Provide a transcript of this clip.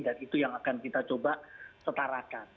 dan itu yang akan kita coba setarakan